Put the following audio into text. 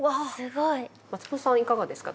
松本さんはいかがですか？